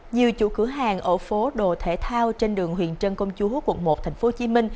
nhiều chủ cửa hàng ở phố đồ thể thao trên đường huyện trân công chúa quận một tp hcm